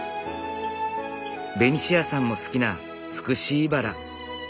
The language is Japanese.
ベニシアさんも好きなツクシイバラ。